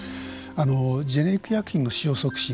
ジェネリック医薬品の使用促進